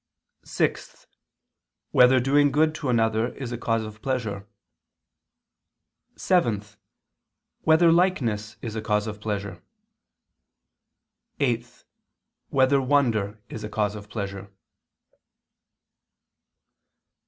(6) Whether doing good to another is a cause of pleasure? (7) Whether likeness is a cause of pleasure? (8) Whether wonder is a cause of pleasure?